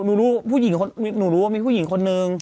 หนูรู้มีผู้ผู้หญิงคนหนึ่ง